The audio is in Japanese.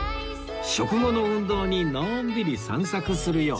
食後の運動にのんびり散策するようです